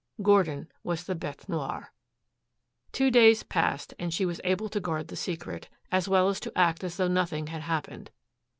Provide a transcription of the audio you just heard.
Gordon was the bete noire. Two days passed and she was able to guard the secret, as well as to act as though nothing had happened.